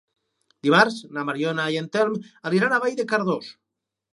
Dimarts na Mariona i en Telm aniran a Vall de Cardós.